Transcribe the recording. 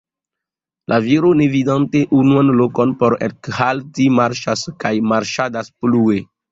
La viro, ne vidante unuan lokon por ekhalti, marŝas kaj marŝadas plue.